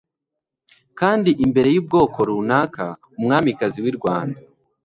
kandi imbere yubwoko runaka umwamikazi w'i rwanda